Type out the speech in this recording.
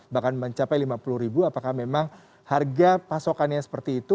bahkan mencapai rp lima puluh apakah memang harga pasokannya seperti itu